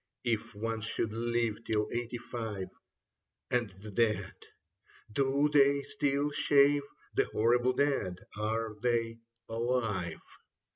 If one should live till eighty five ... And the dead, do they still shave ^ The horrible dead, are they alive